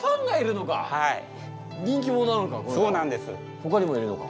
ほかにもいるのか。